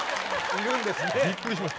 いるんですね。